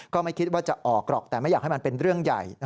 ก็ไม่คิดว่าจะออกหรอกแต่ไม่อยากให้มันเป็นเรื่องใหญ่